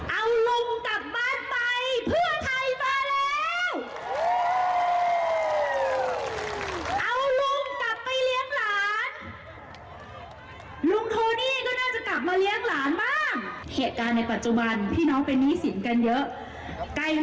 เอาลุงกลับบ้านไปเพื่อไทยมาแล้ว